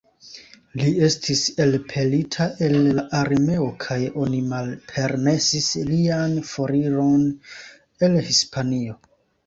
Li estis elpelita el la armeo kaj oni malpermesis lian foriron el Hispanio.